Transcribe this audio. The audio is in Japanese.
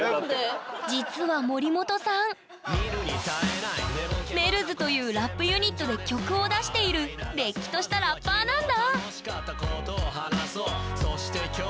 実は森本さんＭｅｌｌｓというラップユニットで曲を出しているれっきとしたラッパーなんだ！